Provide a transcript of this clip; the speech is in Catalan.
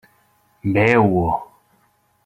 Beu.